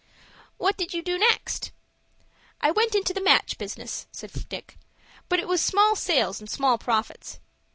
"What did you do next?" "I went into the match business," said Dick; "but it was small sales and small profits.